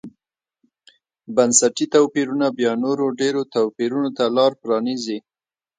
بنسټي توپیرونه بیا نورو ډېرو توپیرونو ته لار پرانېزي.